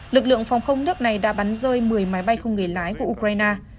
lực lượng phòng không nước này đã bắn rơi một mươi máy bay không người lái của ukraine